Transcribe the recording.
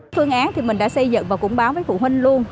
phương án thì mình đã xây dựng và cũng báo với phụ huynh luôn